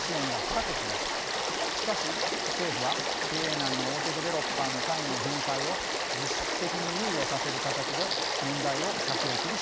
しかし政府は経営難の大手デベロッパーの債務の返済を実質的に猶予させる形で問題を先送りしています。